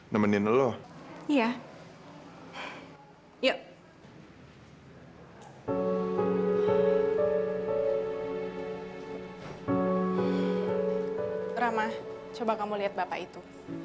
ramah coba kamu lihat bapak itu